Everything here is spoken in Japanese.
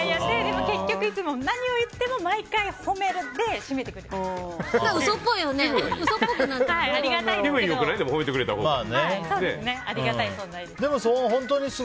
結局いつも何を言っても毎回褒めるで締めてくれるんです。